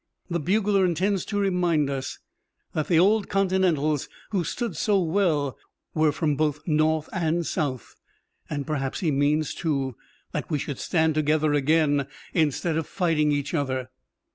"The bugler intends to remind us that the old Continentals who stood so well were from both North and South, and perhaps he means, too, that we should stand together again instead of fighting each other."